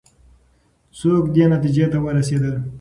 څوک دې نتیجې ته ورسېدل؟